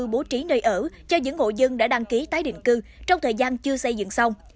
bố trí nơi ở cho những hộ dân đã đăng ký tái định cư trong thời gian chưa xây dựng xong